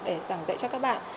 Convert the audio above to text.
để giảng dạy cho các bạn